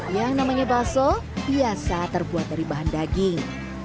yang namanya baso biasa terbuat dari bahan daging